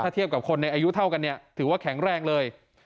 ถ้าเทียบกับคนในอายุเท่ากันเนี่ยถือว่าแข็งแรงเลย